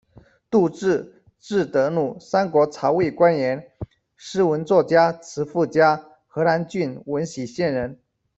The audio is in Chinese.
杜挚，字德鲁，三国曹魏官员、诗文作家、辞赋家，河东郡闻喜县人。